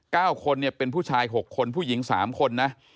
คนเนี่ยเป็นผู้ชายหกคนผู้หญิงสามคนนะ